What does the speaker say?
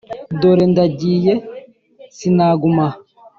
dore ndagiye sinaguma aha